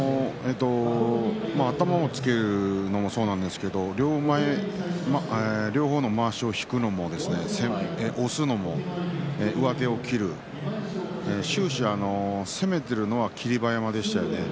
頭をつけるのもそうなんですけれど両方のまわしを引くのも押すのも上手を切る、終始攻めているのは霧馬山でしたね。